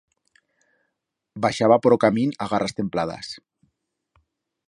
Baixaba por o camín a garras templadas.